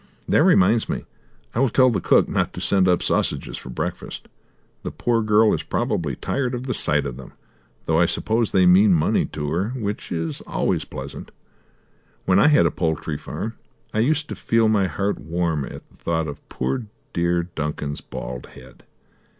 That reminds me, I will tell the cook not to send up sausages for breakfast. The poor girl is probably tired of the sight of them, though I suppose they mean money to her, which is always pleasant. When I had a poultry farm I used to feel my heart warm at the thought of poor dear Duncan's bald head.